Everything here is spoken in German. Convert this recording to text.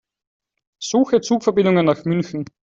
Suche Zugverbindungen nach München.